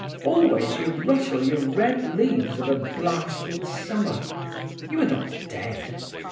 Always you rustle your red leaves of a blasted summer. You are not dead.